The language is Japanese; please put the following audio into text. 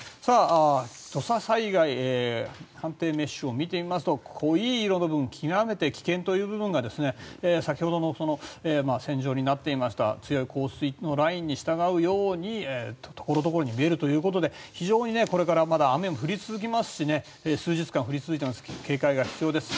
土砂災害判定メッシュを見てみると濃い色の極めて危険という部分が先ほどの線状になっていました強い降水のラインに従うようにところどころに見えるということで、これから雨も数日間、降り続きますし警戒が必要です。